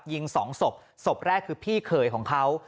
ยิงสองศพศพแรกคือพี่เขยของเขา